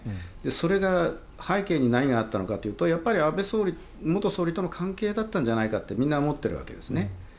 それが背景に何があったのかというとやっぱり安倍元総理との関係だったんじゃないかってみんな思っているわけですね。